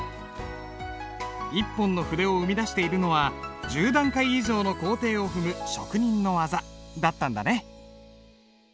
一本の筆を生み出しているのは１０段階以上の工程を踏む職人の技だったんだね。